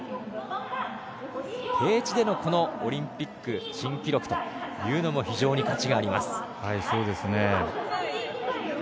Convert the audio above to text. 低地でのオリンピック新記録というのも非常に価値があります。